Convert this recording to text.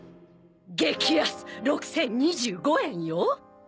激安６０２５円よ！